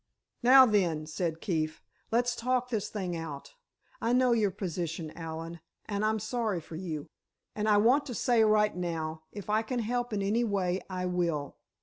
"Now, then," said Keefe, "let's talk this thing out. I know your position, Allen, and I'm sorry for you. And I want to say, right now, if I can help in any way, I will.